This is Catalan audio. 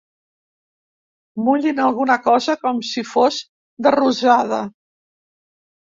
Mullin alguna cosa com si fos de rosada.